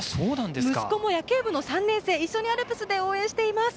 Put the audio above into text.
息子も野球部の３年生一緒にアルプスで応援しています。